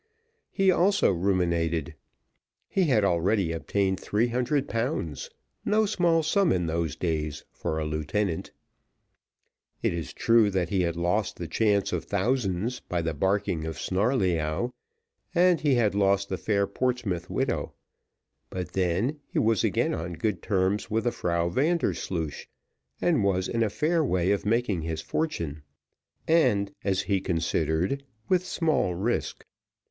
He also ruminated; he had already obtained three hundred pounds, no small sum, in those days, for a lieutenant. It is true that he had lost the chance of thousands by the barking of Snarleyyow, and he had lost the fair Portsmouth widow; but then he was again on good terms with the Frau Vandersloosh, and was in a fair way of making his fortune, and, as he considered, with small risk.